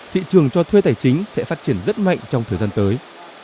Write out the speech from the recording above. thị trường cho thuê tài chính sẽ phát triển rất mạnh trong thời gian tới